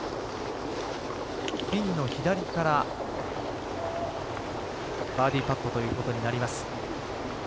ピンの左からバーディーパットということになります。